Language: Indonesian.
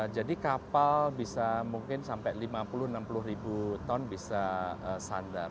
jadi kapal bisa mungkin sampai lima puluh enam puluh ribu ton bisa sandar